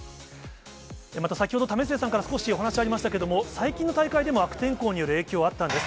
また、先ほど、為末さんから少しお話ありましたけれども、最近の大会でも、悪天候による影響はあったんです。